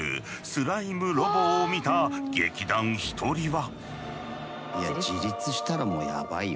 スライムロボを見た劇団ひとりは。